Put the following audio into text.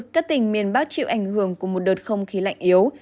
các tỉnh miền bắc chịu ảnh hưởng của một đợt không khí lạnh yếu